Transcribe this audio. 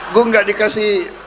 aku gak dikasih